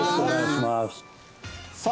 さあ